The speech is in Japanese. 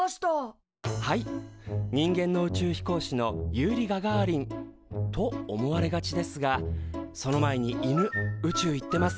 はい人間の宇宙飛行士のユーリ・ガガーリンと思われがちですがその前に犬宇宙行ってます。